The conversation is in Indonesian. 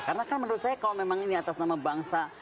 karena kan menurut saya kalau memang ini atas nama bangsa